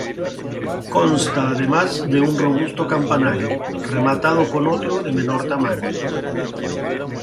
Consta además de un robusto campanario, rematado con otro de menor tamaño.